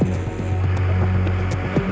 tidak ada hang